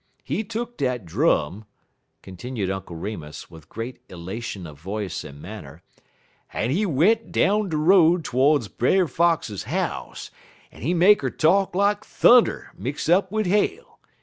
He tuk dat drum," continued Uncle Remus, with great elation of voice and manner, "en he went down de road todes Brer Fox house, en he make 'er talk like thunner mix up wid hail.